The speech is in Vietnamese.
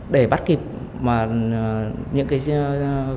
để bắt kịp những dữ liệu lớn